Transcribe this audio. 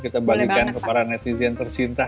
kita bagikan ke para netizen tersinta